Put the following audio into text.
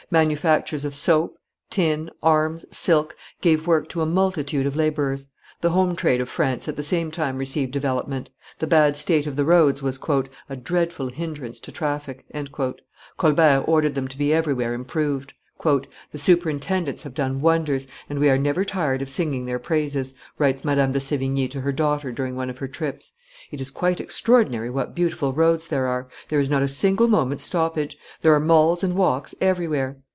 Manufactures of soap, tin, arms, silk, gave work to a multitude of laborers; the home trade of France at the same time received development; the bad state of the roads was "a dreadful hinderance to traffic;" Colbert ordered them to be every where improved. "The superintendents have done wonders, and we are never tired of singing their praises," writes, Madame de Sevigne to her daughter during one of her trips; "it is quite extraordinary what beautiful roads there are; there is not a single moment's stoppage; there are malls and walks everywhere."